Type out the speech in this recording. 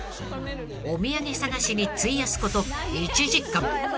［お土産探しに費やすこと１時間］